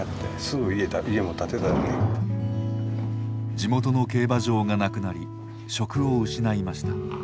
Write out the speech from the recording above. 地元の競馬場がなくなり職を失いました。